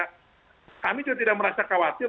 kami juga tidak merasa khawatir